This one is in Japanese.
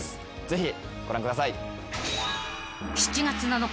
ぜひご覧ください。